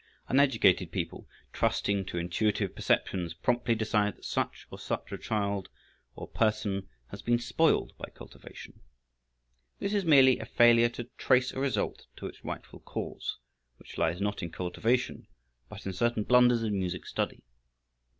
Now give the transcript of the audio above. Uneducated people, trusting to intuitive perceptions, promptly decide that such or such a child, or person, has been spoiled by cultivation. This is merely a failure to trace a result to its rightful cause, which lies not in cultivation, but in certain blunders in music study.